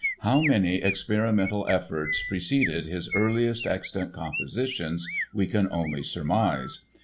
How many experimental efforts preceded his earliest extant compositions we can only surmise.